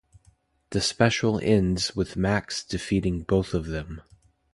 The special ends with Max defeating both of them.